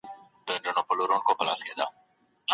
مؤمن باید د خپلو اعمالو په اړه ثابت پاتې شي.